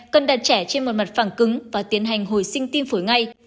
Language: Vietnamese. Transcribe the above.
cần đặt trẻ trên một mặt phẳng cứng và tiến hành hồi sinh tim phổi ngay